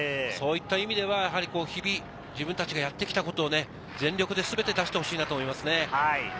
そういった意味では、日々、自分たちがやってきたことを全力で全て出してほしいなと思います。